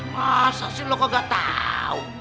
masa sih lo kok gak tahu